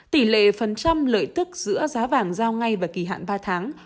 tỷ lệ phần trăm lợi tức giữa giá vàng giao ngay và kỳ hạn ba tháng